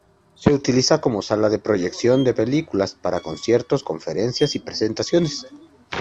Se utiliza como sala de proyección de películas, para conciertos, conferencias y presentaciones.